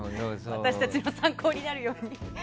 私たちも参考になるように。